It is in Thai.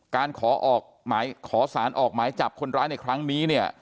การขอสารออกหมายจับคนร้ายในครั้งนี้เนี่ย